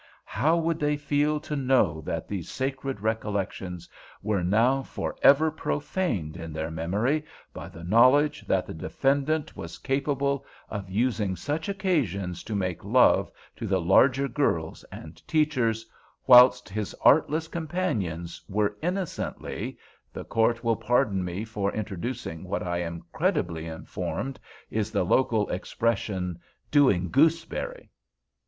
How would they feel to know that these sacred recollections were now forever profaned in their memory by the knowledge that the defendant was capable of using such occasions to make love to the larger girls and teachers, whilst his artless companions were innocently—the Court will pardon me for introducing what I am credibly informed is the local expression 'doing gooseberry'?"